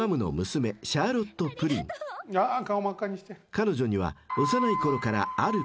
［彼女には幼いころからある］